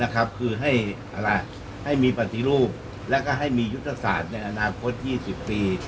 คือให้มีปฏิรูปแล้วก็ให้มียุทธศาสตร์ในอนาคต๒๐ปี